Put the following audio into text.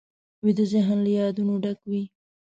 ویده ذهن له یادونو ډک وي